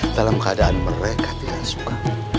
dalam keadaan mereka tidak suka